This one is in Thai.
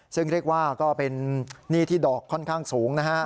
ซึ่งเรียกว่าก็เป็นหนี้ที่ดอกค่อนข้างสูงนะฮะ